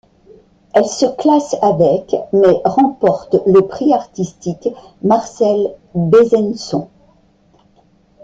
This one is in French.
Elle se classe avec mais remporte le prix artistique Marcel Bezençon.